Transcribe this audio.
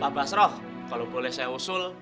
pak basroh kalau boleh saya usul